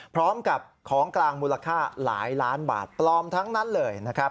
พร้อมกับของกลางมูลค่าหลายล้านบาทปลอมทั้งนั้นเลยนะครับ